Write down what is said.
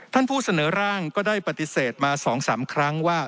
ท่านผู้เสนอร่างก็ได้ปฏิเสธมา๒๓ครั้งว่า